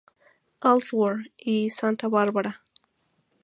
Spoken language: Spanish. Elsewhere" y "Santa Barbara".